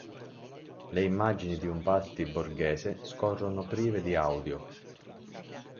Le immagini di un party borghese scorrono prive di audio.